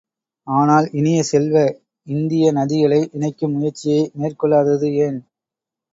ஆனால் இனிய செல்வ, இந்திய நதிகளை இணைக்கும் முயற்சியை மேற்கொள்ளாதது ஏன்?